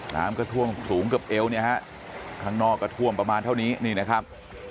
น้ำก็ท่วมสูงกับเอวเนี่ยฮะข้างนอกก็ท่วมประมาณเท่านี้นี่นะครับ